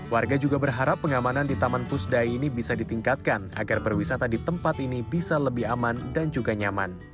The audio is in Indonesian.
warga juga berharap pengamanan di taman pusdai ini bisa ditingkatkan agar perwisata di tempat ini bisa lebih aman dan juga nyaman